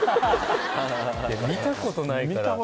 見たことないから。